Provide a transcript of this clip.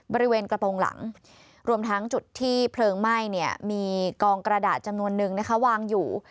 บริเวณกระโปรงหลังรวมทั้งจุดที่เพลิงไหม้เนี่ยมีกองกระดาษจำนวนนึงนะคะวางอยู่